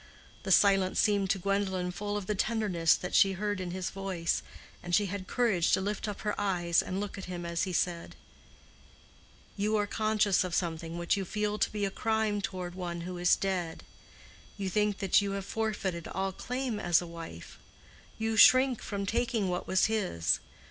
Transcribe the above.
The silence seemed to Gwendolen full of the tenderness that she heard in his voice, and she had courage to lift up her eyes and look at him as he said, "You are conscious of something which you feel to be a crime toward one who is dead. You think that you have forfeited all claim as a wife. You shrink from taking what was his.